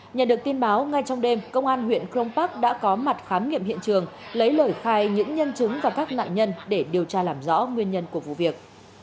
nhận được tin báo ngay trong đêm công an huyện crong park đã có mặt khám nghiệm hiện trường lấy lời khai những nhân chứng và các nạn nhân để điều tra làm rõ nguyên nhân của vụ việc